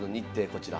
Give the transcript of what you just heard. こちら。